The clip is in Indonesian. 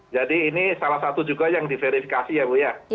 jadi ini salah satu juga yang diverifikasi ya bu ya